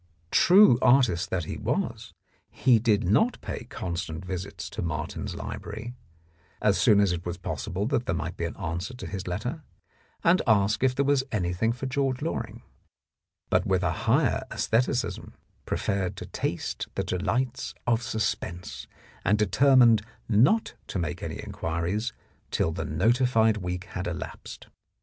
True artist that he was, he did not pay constant visits to Martin's Library, as soon as it was possible that there might be an answer to his letter, and ask if there was anything for George Loring, but with a higher aestheticism, preferred to taste the delights of sus pense, and determined not to make any inquiries till the notified week had elapsed.